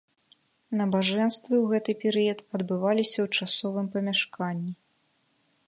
Набажэнствы ў гэты перыяд адбываліся ў часовым памяшканні.